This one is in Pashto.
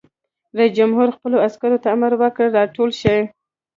رئیس جمهور خپلو عسکرو ته امر وکړ؛ راټول شئ!